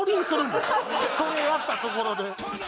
それやったところで。